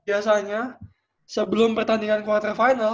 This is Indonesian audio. biasanya sebelum pertandingan quarter final